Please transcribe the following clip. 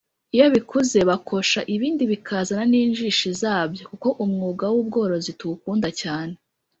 iyo bikuze bakosha ibindi bikazana n’injishi zabyo kuko umwuga w’ubworozi tuwukunda cyane